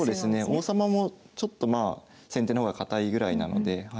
王様もちょっとまあ先手の方が堅いぐらいなので。